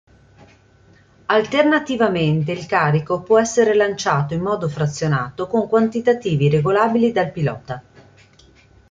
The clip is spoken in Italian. Alternativamente il carico può essere lanciato in modo frazionato con quantitativi regolabili dal pilota.